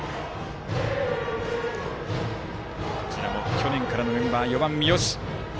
去年からのメンバー４番、三好。